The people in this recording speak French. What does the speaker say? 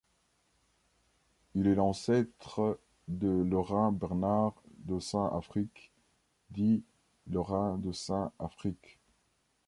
Il est l'ancêtre de Lorrain Bernard de Saint-Affrique, dit Lorrain de Saint Affrique.